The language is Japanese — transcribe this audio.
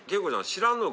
知らんのか？